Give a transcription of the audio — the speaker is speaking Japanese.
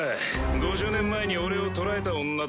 ５０年前に俺を捕らえた女だ。